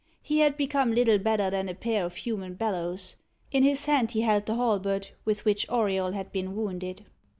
He had become little better than a pair of human bellows. In his hand he held the halberd with which Auriol had been wounded.